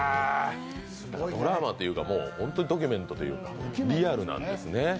ドラマというか、本当にドキュメントというかリアルなんですね。